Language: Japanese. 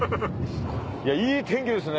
いやいい天気ですね！